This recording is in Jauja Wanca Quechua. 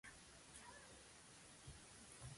Wañuśhqa nunakaq llakiypaqmi tutapa haamakuykan.